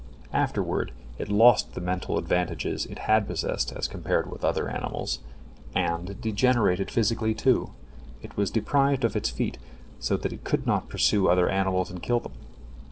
Afterward, it lost the mental advantages it had possessed as compared with other animals, and it degenerated physically, too; it was deprived of its feet, so that it could not pursue other animals and kill them.